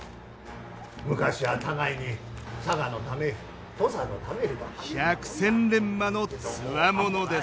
昔は互いに佐賀のため土佐のため。のつわものです。